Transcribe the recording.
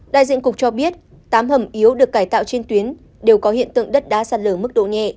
đại diện cục cho biết tám hầm yếu được cải tạo trên tuyến đều có hiện tượng đất đá sạt lở mức độ nhẹ